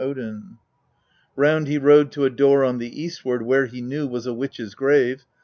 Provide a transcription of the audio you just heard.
241 4. Round he rode to a door on the eastward where he knew was a witch's grave.